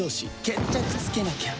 決着つけなきゃ。